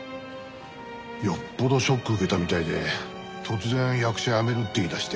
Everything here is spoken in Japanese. よっぽどショック受けたみたいで突然役者辞めるって言い出して。